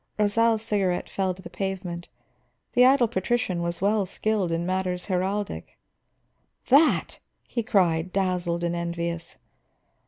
Rosal's cigarette fell to the pavement; the idle patrician was well skilled in matters heraldic. "That!" he cried, dazzled and envious.